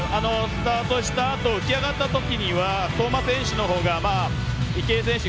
スタートしたあと浮き上がったときには相馬選手のほうが池江選手